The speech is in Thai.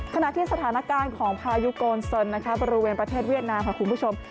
ขณะที่สถานการณ์ของพายุโกนเซินนะคะบริเวณประเทศเวียดนามค่ะคุณผู้ชม